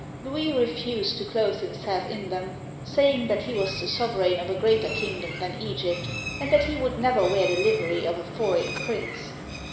Louis refused to clothe himself in them, saying that he was the sovereign of a greater kingdom than Egypt, and that he would never wear the livery of a foreign prince.